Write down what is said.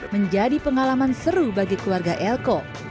menjadi pengalaman seru bagi keluarga elko